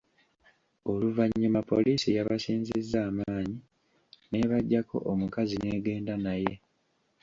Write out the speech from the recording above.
Oluvannyuma poliisi yabasinzizza amaanyi n’ebaggyako omukazi n’egenda naye.